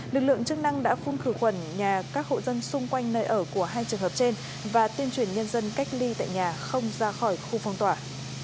lực lượng chức năng đã phun khử khuẩn nhà các hộ dân xung quanh nơi ở của hai trường hợp trên và tuyên truyền nhân dân cách ly tại nhà không ra khỏi khu phong tỏa